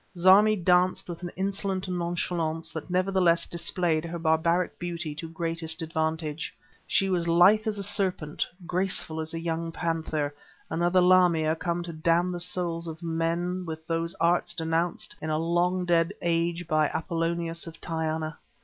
Zarmi danced with an insolent nonchalance that nevertheless displayed her barbaric beauty to greatest advantage. She was lithe as a serpent, graceful as a young panther, another Lamia come to damn the souls of men with those arts denounced in a long dead age by Apolonius of Tyana.